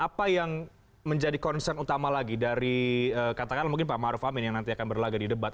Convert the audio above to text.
apa yang menjadi concern utama lagi dari katakanlah mungkin pak maruf amin yang nanti akan berlagak di debat